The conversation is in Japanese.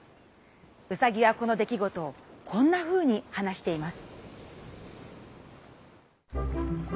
うさぎはこの出来ごとをこんなふうに話しています。